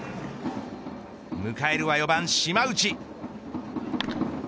迎えるは４番、島内。